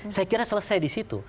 saya kira selesai disitu